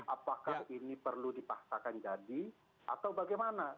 apakah ini perlu dipaksakan jadi atau bagaimana